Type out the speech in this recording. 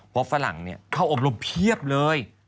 พวกฝรั่งเขาอบรมเพียบเลย